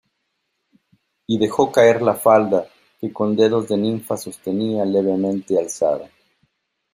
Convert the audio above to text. y dejó caer la falda, que con dedos de ninfa sostenía levemente alzada.